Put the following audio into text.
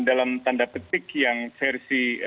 dalam tanda petik yang versi